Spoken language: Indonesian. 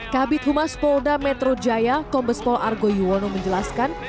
kabit humas polda metro jaya kombespol argo yuwono menjelaskan